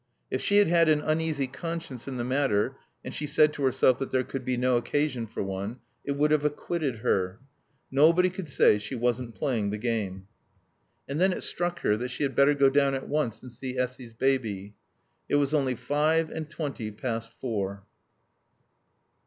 If she had had an uneasy conscience in the matter (and she said to herself that there was no occasion for one), it would have acquitted her. Nobody could say she wasn't playing the game. And then it struck her that she had better go down at once and see Essy's baby. It was only five and twenty past four.